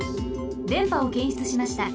でんぱをけんしゅつしました。